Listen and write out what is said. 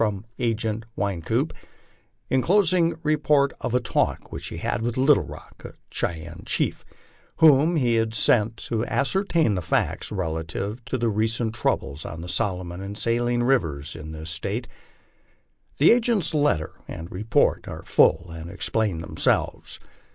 from Agent Wynkoop, en closing report of a talk whieh'he had with Little Rock, a Cheyenne chief, whom he had sent to as certain the facts relative to the recent troubles on the Solomon and Saline rivers, in this State; The agent's letter and report are full, and explain themselves.